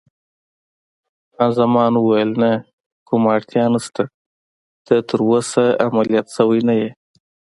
خان زمان وویل: نه، کومه اړتیا نشته، ته تراوسه عملیات شوی نه یې.